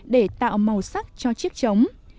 để tạo màu sắc cho chiếc trống